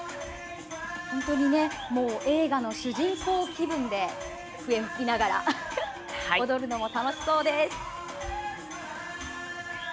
本当に映画の主人公気分で笛を吹きながら踊るのも楽しそうです。